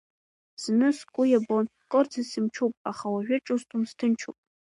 Зны сгәы иабон, кырӡа сымчуп, аха уажәы ҿысҭуам, сҭынчуп.